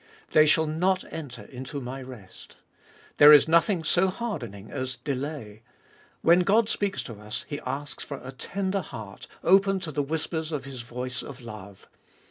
They shall not enter into My rest. There is nothing so hardening as delay. When God speaks to us, He asks for a tender heart, open to the whispers of His voice of love.